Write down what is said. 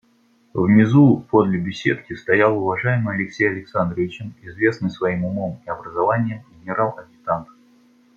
Внизу подле беседки стоял уважаемый Алексей Александровичем, известный своим умом и образованием генерал-адъютант.